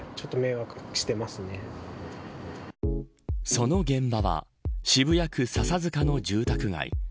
その現場は渋谷区笹塚の住宅街。